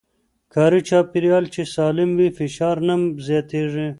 کاري چاپېريال چې سالم وي، فشار نه زياتېږي.